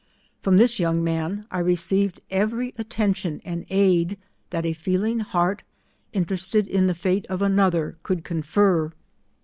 From this young man, I received every attention and aid that a feeling heart, inte rested in the fate of another, could confer.